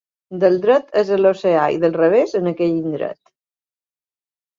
Del dret és a l'oceà i del revés en aquell indret.